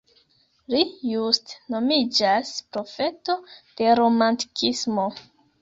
Li juste nomiĝas "profeto de Romantikismo".